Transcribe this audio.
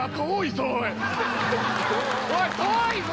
おい遠いぞ